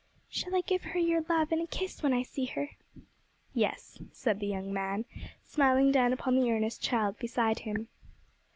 'Shall I give her your love and a kiss when I see her?' 'Yes,' said the young man, smiling down upon the earnest child beside him.